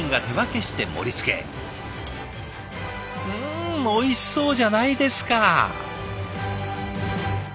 うんおいしそうじゃないですか。